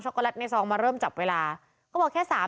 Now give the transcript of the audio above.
และก็คือว่าถึงแม้วันนี้จะพบรอยเท้าเสียแป้งจริงไหม